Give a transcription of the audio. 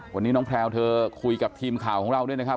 วันนี้น้องแพลวเธอคุยกับทีมข่าวของเราด้วยนะครับ